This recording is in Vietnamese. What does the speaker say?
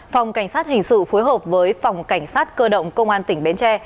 phòng cảnh sát hình sự phối hợp với phòng cảnh sát cơ động công an tỉnh bến tre